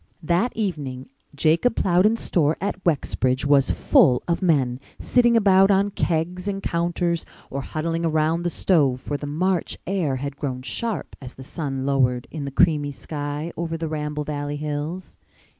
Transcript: That evening Jacob Plowden's store at Wexbridge was full of men, sitting about on kegs and counters or huddling around the stove, for the March air had grown sharp as the sun lowered in the creamy sky over the Ramble Valley hills.